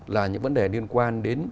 là những vấn đề liên quan đến